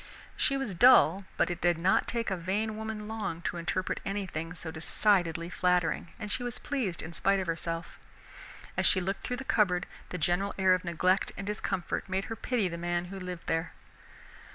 She was dull, but it did not take a vain woman long to interpret anything so decidedly flattering, and she was pleased in spite of herself. As she looked through the cupboard, the general air of neglect and discomfort made her pity the man who lived there.